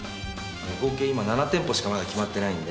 合計まだ７店舗しかまだ決まってないんで。